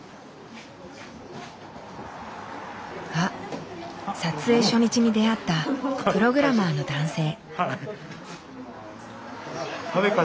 あっ撮影初日に出会ったプログラマーの男性。